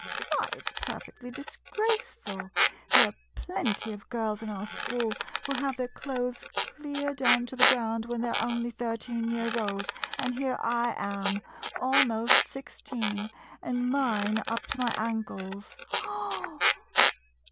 Why, it 's per fectly disgraceful. There are plenty of girls in our school who have their clothes clear down to the ground when they 're only thir teen years old, and here I am, almost sixteen, and mine up to my ankles. [Gasps.